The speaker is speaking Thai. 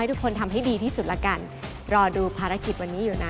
ทุกคนทำให้ดีที่สุดละกันรอดูภารกิจวันนี้อยู่นะ